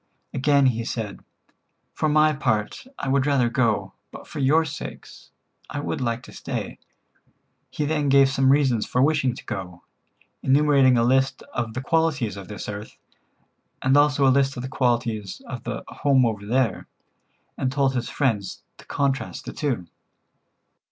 Again he said: "For my part I would rather go, but for your sakes I would like to stay." He then gave some reasons for wishing to go, enumerating a list of the qualities of this earth, and also a list of the qualities of the "home over there," and told his friends to contrast the two.